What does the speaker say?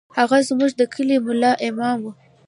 هغه زموږ د کلي ملا امام و.